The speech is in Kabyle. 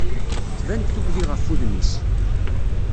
Tban-d tuggdi ɣef wudem-is.